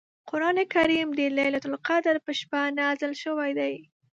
قران کریم د لیلة القدر په شپه نازل شوی دی .